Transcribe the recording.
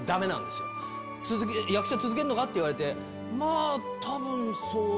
役者続けるのか？って言われて。